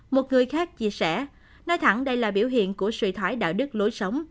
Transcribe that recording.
một người khác chia sẻ nói thẳng đây là biểu hiện của suy thoái đạo đức lối sống